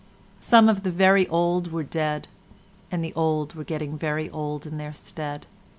Some of the very old were dead, and the old were getting very old in their stead.